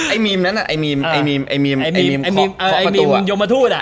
ไอ้มีมนั้นอ่ะไอ้มีมไอ้มีมไอ้มีมไอ้มีมคอปปะทูอ่ะ